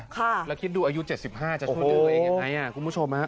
ค่ะแล้วคิดดูอายุ๗๕จะช่วยเด้ออย่างไรอ่ะคุณผู้ชมนะ